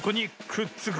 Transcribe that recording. くっつく！